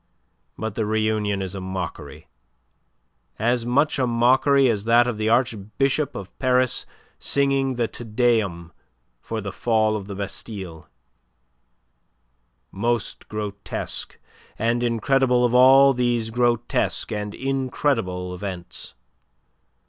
But the reunion is a mockery as much a mockery as that of the Archbishop of Paris singing the Te Deum for the fall of the Bastille most grotesque and incredible of all these grotesque and incredible events.